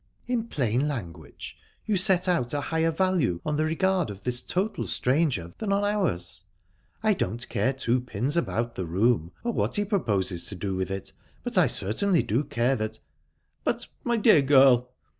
"In plain language, you set out a higher value on the regard of this total stranger than on ours? I don't care two pins about the room, or what he proposes to do with it, but I certainly do care that..." "But, my dear girl..."